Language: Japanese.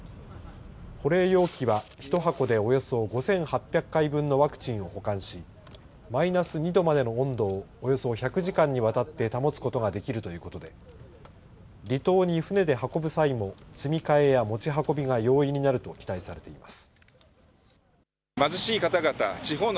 保冷容器は１箱でおよそ５８００回分のワクチンを保管しマイナス２度までの温度をおよそ１００時間にわたって保つことができるということで離島に船で運ぶ際も積み替えや持ち運びが容易になると期待されています。